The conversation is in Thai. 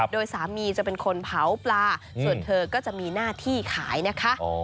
โดยสามีจะเป็นคนเผาปลาส่วนเธอก็จะมีหน้าที่ขายนะคะ